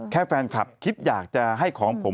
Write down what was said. แฟนคลับคิดอยากจะให้ของผม